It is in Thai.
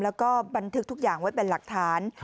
แล้วก็บันทึกทุกอย่างไว้เป็นหลักฐาน